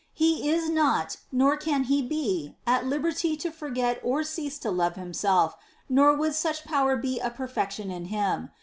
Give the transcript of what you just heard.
He is not, nor can He be, at liberty to forget or cease to love Himself, nor would such power be a perfection in Him.